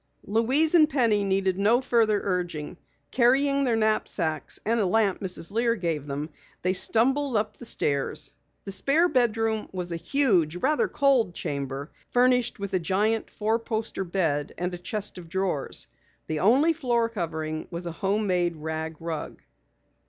Louise and Penny needed no further urging. Carrying their knapsacks and a lamp Mrs. Lear gave them, they stumbled up the stairs. The spare bedroom was a huge, rather cold chamber, furnished with a giant fourposter bed and a chest of drawers. The only floor covering was a homemade rag rug.